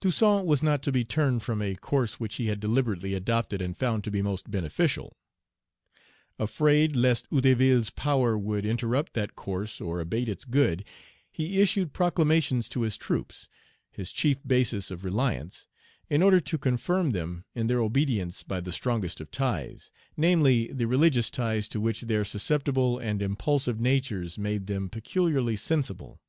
Toussaint was not to be turned from a course which he had deliberately adopted and found to be most beneficial. Afraid lest Hédouville's power would interrupt that course, or abate its good, he issued proclamations to his troops his chief basis of reliance in order to confirm them in their obedience by the strongest of ties, namely, the religious ties to which their susceptible and impulsive natures made them peculiarly sensible.